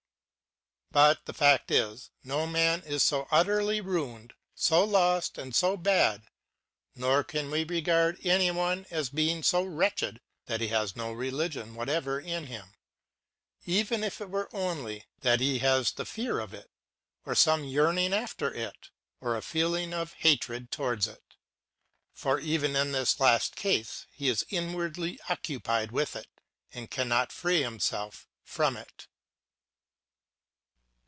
But the fact is, no man is so utterly ruined, so lost, and so bad, nor can we regard any one as being so wretched that he has no religion whatever in him, even if it were only that he has the fear of it, or some yearn ing after it, or a feeling of hatred towards it. For even 6 INTRODUCTION TO THE in tins last case he is inwardly occupied with it, and cannot free himself from it.